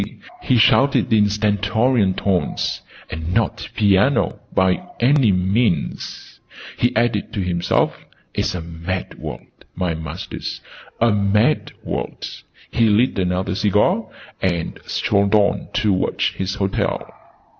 he shouted in stentorian tones. "And not piano, by any means!" he added to himself. "It's a mad world, my masters, a mad world!" He lit another cigar, and strolled on towards his hotel.